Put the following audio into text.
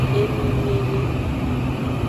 Eminyenye.